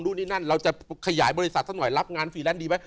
นี่นั่นเราจะขยายบริษัทสักหน่อยรับงานฟรีแลนซ์ดีไหม